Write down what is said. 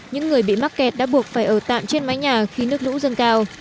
những người bị mắc kẹt đã buộc phải ở tạm trên mái nhà khi nước lũ dâng cao